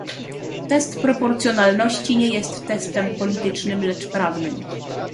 Test proporcjonalności nie jest testem politycznym, lecz prawnym